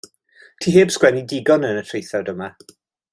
Ti heb sgwennu digon yn y traethawd yma.